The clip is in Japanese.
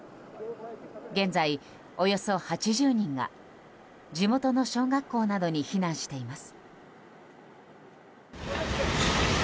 現在、およそ８０人が地元の小学校などに避難しています。